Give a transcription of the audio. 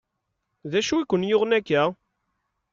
D acu i ken-yuɣen akka?